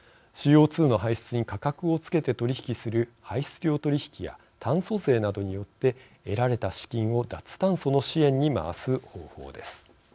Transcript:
ＣＯ２の排出に価格をつけて取り引きする排出量取引や炭素税などによって得られた資金を脱炭素の支援に回す方法です。